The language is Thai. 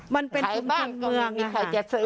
มันเป็นชุมชนเมืองนะคะ